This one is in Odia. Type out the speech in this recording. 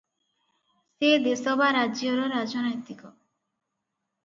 ସେ ଦେଶ ବା ରାଜ୍ୟର ରାଜନୈତିକ ।